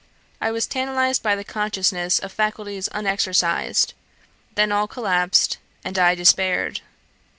I was tantalised by the consciousness of faculties unexercised, then all collapsed, and I despaired.